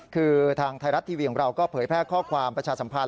คือทางไทยรัฐทีวีของเราก็เผยแพร่ข้อความประชาสัมพันธ